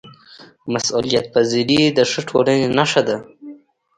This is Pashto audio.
مسؤلیتپذیري د ښه ټولنې نښه ده